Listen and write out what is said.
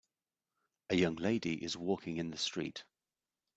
A young lady is walking in the street.